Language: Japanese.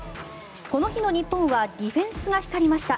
この日の日本はディフェンスが光りました。